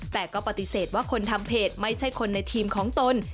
แต่ก็ปฏิเสธว่าคนทำเพจไม่ใช่คนในทีมของตน